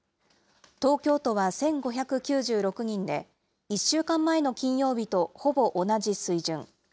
東京都は１５９６人で、１週間前の金曜日とほぼ同じ水準。